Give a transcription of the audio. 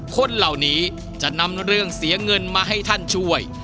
คนเหล่านี้จะนำเรื่องเสียเงินมาให้ท่านช่วย